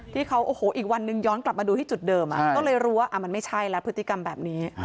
ที่เขาโอ้โหอีกวันนึงย้อนกลับมาดูที่จุดเดิมก็เลยรู้ว่ามันไม่ใช่แล้วพฤติกรรมแบบนี้